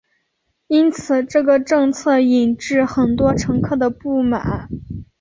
因此这个政策引致很多乘客的不满。